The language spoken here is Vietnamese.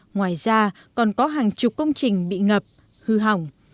ngoài ra còn có hàng chục công trình bị ngập hư hỏng